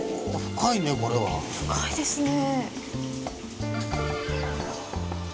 深いですね。